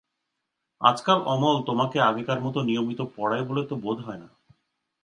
আজকাল অমল তোমাকে আগেকার মতো নিয়মিত পড়ায় বলে তো বোধ হয় না।